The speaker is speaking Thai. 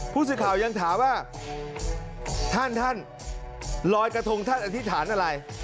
ผู้สื่อข่าวยังถามว่าท่านท่านลอยกระทงท่านอธิษฐานอะไร